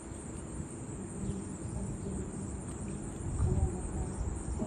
لیکوال د ټولنې د فساد او ظلم پر وړاندې خپل قلم وکاراوه.